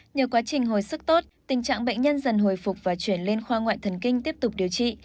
nhờ quá trình hồi sức tốt tình trạng bệnh nhân dần hồi phục và chuyển lên khoa ngoại thần kinh tiếp tục điều trị